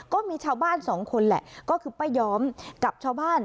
ก็มีชาวบ้านสองคนแหละก็คือป้าย้อมกับชาวบ้าน